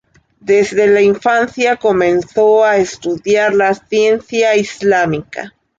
Desde la infancia comenzó a estudiar la ciencia islámica.